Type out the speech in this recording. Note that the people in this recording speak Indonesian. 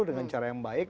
dengan cara yang baik